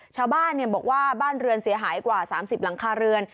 ชาวบ้านบอกว่าบ้านเรือนเสียหายกว่า๓๐หลังคาเรือน